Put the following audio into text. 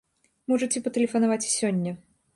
Можаце патэлефанаваць і сёння.